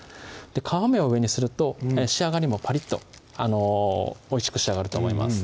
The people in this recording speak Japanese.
皮目を上にすると仕上がりもパリッとおいしく仕上がると思います